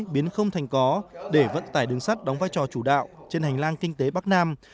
biến không thành có để vận tải đường sắt đóng vai trò chủ đạo trên hành lang kinh tế bắc nam